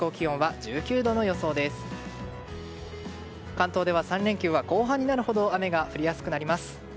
関東では３連休は後半になるほど雨が降りやすくなります。